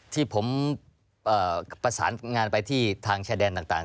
ที่ผมประสานงานไปที่ทางชายแดนต่าง